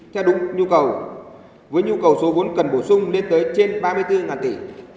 theo đúng nhu cầu với nhu cầu số vốn cần bổ sung lên tới trên ba mươi bốn tỷ